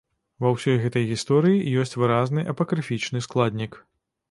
Ва ўсёй гэтай гісторыі ёсць выразны апакрыфічны складнік.